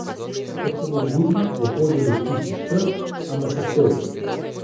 Откога го удрив, го пожалив пусти штрк, ама се стори.